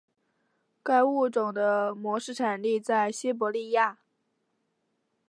该物种的模式产地在西伯利亚。